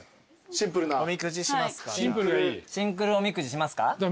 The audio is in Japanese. シンプルおみくじしますか？